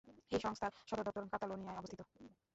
এই সংস্থার সদর দপ্তর কাতালোনিয়ায় অবস্থিত।